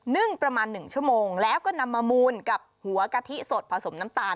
ึ่งประมาณ๑ชั่วโมงแล้วก็นำมามูลกับหัวกะทิสดผสมน้ำตาล